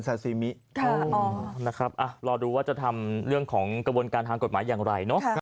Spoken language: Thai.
แล้วยังไงจับไปกินกันเหรอฮะ